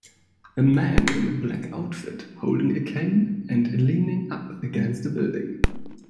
A man in a black outfit holding a cane and leaning up against a building.